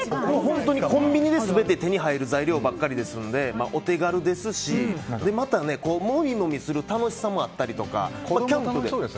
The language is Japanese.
コンビニで全て手に入る材料ばっかりなのでお手軽ですしもみもみする楽しさもあったりとか。